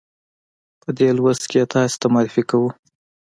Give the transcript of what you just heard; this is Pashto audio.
په دې لوست کې یې تاسې ته معرفي کوو.